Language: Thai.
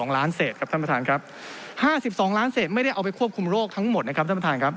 ๒ล้านเศษครับท่านประธานครับ๕๒ล้านเศษไม่ได้เอาไปควบคุมโรคทั้งหมดนะครับท่านประธานครับ